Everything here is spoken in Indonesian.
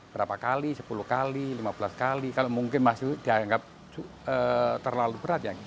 berapa kali sepuluh kali lima belas kali kalau mungkin masih dianggap terlalu berat ya